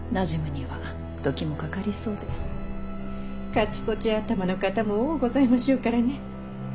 かちこち頭の方も多うございましょうからね。